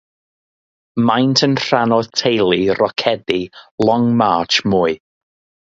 Maent yn rhan o'r teulu rocedi Long March mwy.